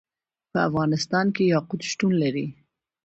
په افغانستان کې یاقوت شتون لري.